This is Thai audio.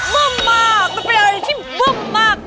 นุ่มมากมันเป็นอะไรที่ทุ่มมาก